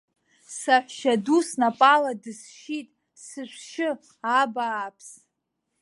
Саҳәшьаду снапала дысшьит, сышәшьы, абааԥс!